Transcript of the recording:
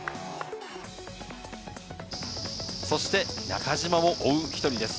そして中島も追う一人です。